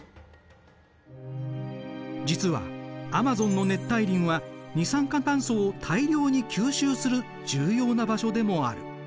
実はアマゾンの熱帯林は二酸化炭素を大量に吸収する重要な場所でもある。